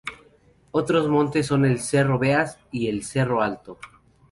Otros montes son el Cerro Beas y el Cerro Alto.